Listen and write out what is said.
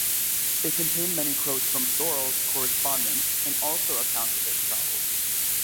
It contained many quotes from Thorold's correspondence and also accounts of his travels.